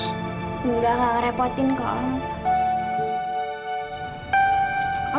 enggak gak ngerepotin kok om